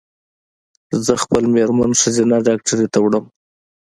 زه خپل مېرمن ښځېنه ډاکټري ته وړم